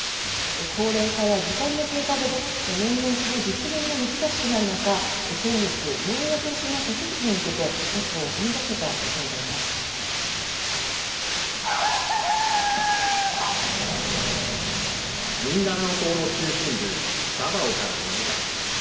高齢化や時間の経過で、年々その実現が難しくなる中、先月、ようやくその手続きに向けて、一歩をミンダナオ島の中心部、ダバオから２時間。